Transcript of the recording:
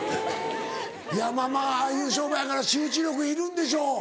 まぁまぁああいう商売やから集中力いるんでしょう。